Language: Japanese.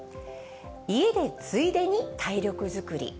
家でついでに体力作り。